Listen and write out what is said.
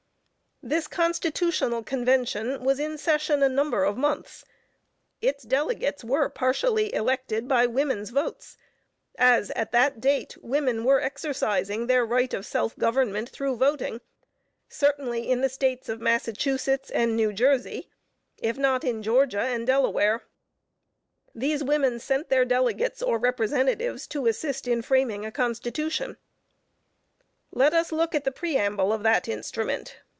This Constitutional Convention was in session a number of months; its delegates were partially elected by women's votes, as at that date women were exercising their right of self government through voting, certainly in the States of Massachusetts and New Jersey, if not in Georgia and Delaware. These women sent their delegates or representatives to assist in framing a Constitution. Let us look at the Preamble of that instrument.